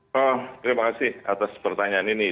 oh terima kasih atas pertanyaan ini